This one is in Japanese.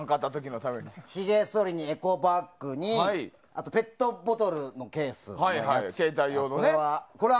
ひげそりにエコバッグにペットボトルのケース。